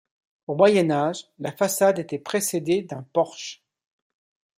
Au Moyen Âge, la façade était précédée d'un porche.